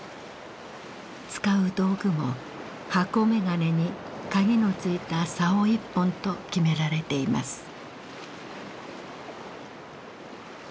使う道具も箱めがねにカギのついた竿一本と決められています。